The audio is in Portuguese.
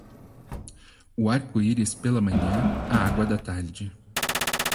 O arco-íris pela manhã, a água da tarde.